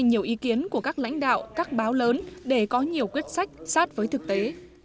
nhiều ý kiến của các lãnh đạo các báo lớn để có nhiều quyết sách sát với thực tế